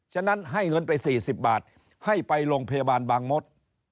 ฉะนั้นให้เงินไป๔๐บาทให้ไปโรงพยาบาลบางมศ